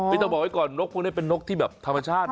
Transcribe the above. ต้องบอกไว้ก่อนนกพวกนี้เป็นนกที่แบบธรรมชาติ